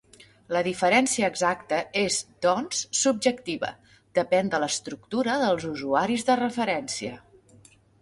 La diferència exacta és, doncs, subjectiva, depèn de l'estructura dels usuaris de referència.